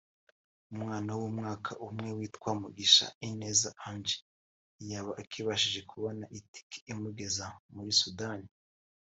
umwana w’umwaka umwe witwa Mugisha Ineza Ange ntiyaba akibashije kubona itike imugeza muri Sudani